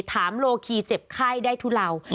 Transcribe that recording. ถามโลคีเจ็บไข้ได้ทุเลา